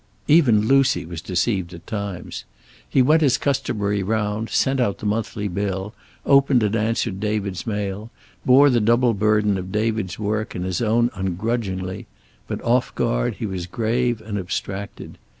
Even Lucy was deceived at times. He went his customary round, sent out the monthly bills, opened and answered David's mail, bore the double burden of David's work and his own ungrudgingly, but off guard he was grave and abstracted.